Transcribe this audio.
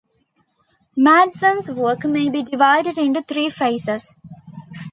Madsen's work may be divided into three phases.